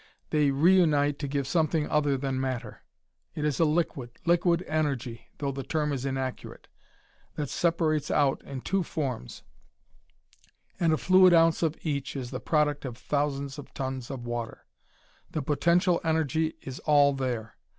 They reunite to give something other than matter. It is a liquid liquid energy, though the term is inaccurate that separates out in two forms, and a fluid ounce of each is the product of thousands of tons of water. The potential energy is all there.